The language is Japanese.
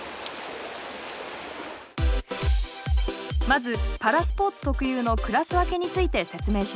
まずパラスポーツ特有のクラス分けについて説明しましょう。